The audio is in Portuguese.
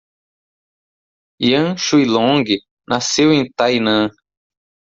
Yan Shuilong nasceu em Tainan